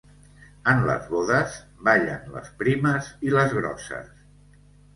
En les bodes ballen les primes i les grosses.